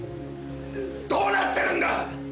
どうなってるんだ！